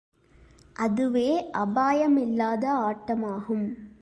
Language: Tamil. அதுவே அபாயமில்லாத ஆட்டமாகும்.